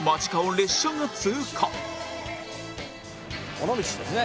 「尾道ですね。